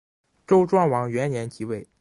周庄王元年即位。